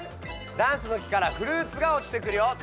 ダンスの木からフルーツがおちてくるよ。